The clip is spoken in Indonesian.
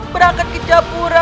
berangkat ke japur